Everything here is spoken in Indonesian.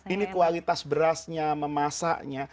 ini kualitas berasnya memasaknya